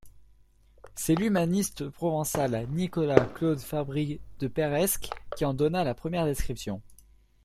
C'est l'humaniste provençal Nicolas-Claude Fabri de Peiresc qui en donna la première description.